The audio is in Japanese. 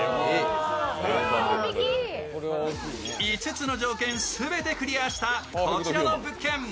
５つの条件全てクリアしたこちらの物件。